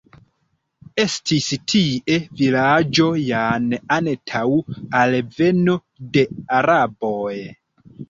Estis tie vilaĝo jan antaŭ alveno de araboj.